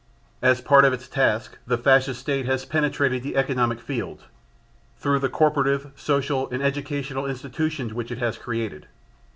As part of its task the Fascist State has penetrated the economic field: through the corporative, social and educational institutions which it has created.